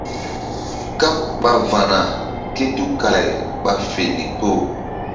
Káɓ ɓa va̧na ké tukala-ay ɓa fe ndikpo.